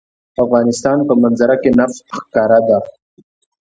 د افغانستان په منظره کې نفت ښکاره ده.